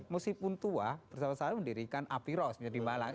meskipun tua bersama sama mendirikan api ros menjadi malang